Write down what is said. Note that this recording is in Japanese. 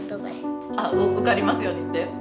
受かりますようにって？